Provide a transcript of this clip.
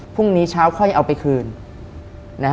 พรุ่งนี้เช้าค่อยเอาไปคืนนะฮะ